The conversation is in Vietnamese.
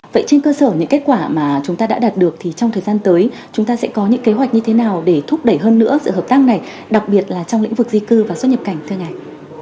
vậy trên cơ sở những kết quả mà chúng ta đã đạt được thì trong thời gian tới chúng ta sẽ có những kế hoạch như thế nào để thúc đẩy hơn nữa sự hợp tác này đặc biệt là trong lĩnh vực di cư và xuất nhập cảnh thưa anh